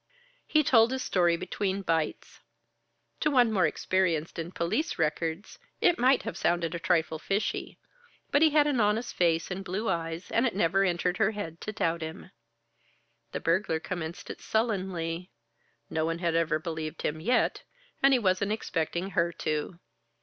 He told his story between bites. To one more experienced in police records, it might have sounded a trifle fishy, but he had an honest face and blue eyes, and it never entered her head to doubt him. The burglar commenced it sullenly; no one had ever believed him yet and he wasn't expecting her to.